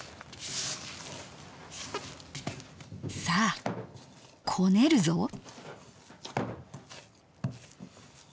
さあこねるぞ！